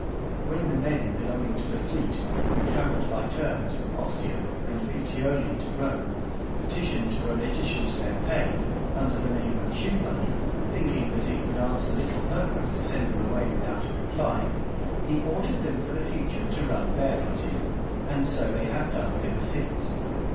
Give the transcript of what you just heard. When the men belonging to the fleet, who travelled by turns from Ostia and Puteoli to Rome, petitioned for an addition to their pay, under the name of shoe money, thinking that it would answer little purpose to send them away without a reply, he ordered them for the future to run barefooted; and so they have done ever since.